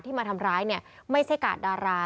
มาทำร้ายเนี่ยไม่ใช่กาดดารา